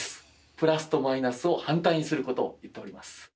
プラスとマイナスを反対にすることを言っております。